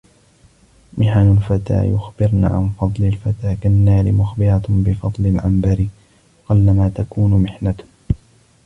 مِحَنُ الْفَتَى يُخْبِرْنَ عَنْ فَضْلِ الْفَتَى كَالنَّارِ مُخْبِرَةٌ بِفَضْلِ الْعَنْبَرِ وَقَلَّمَا تَكُونُ مِحْنَةُ